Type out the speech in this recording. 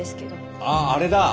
あああれだ。